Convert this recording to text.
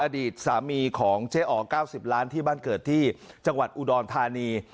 อดีตสามีของเจ๊อ๋อ๙๐ล้านที่บ้านเกิดที่จังหวัดอุดรธานี